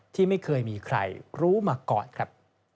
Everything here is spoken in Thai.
ที่ไม่เคยมีใครรู้มาก่อนครับ